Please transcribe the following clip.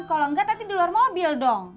kalo enggak tati di luar mobil dong